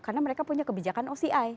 karena mereka punya kebijakan oci